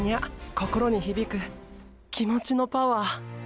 心に響く気持ちのパワー。